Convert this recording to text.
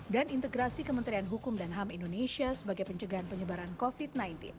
dan integrasi kementerian hukum dan ham indonesia sebagai penjagaan penyebaran covid sembilan belas